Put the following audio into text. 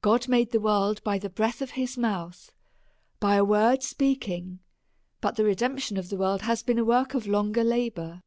God made the world by the breath of his mouth, by a word speaking ; but the redemption of the world has been a work of longer labour.